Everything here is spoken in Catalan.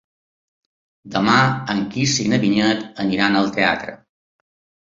Demà en Quirze i na Vinyet aniran al teatre.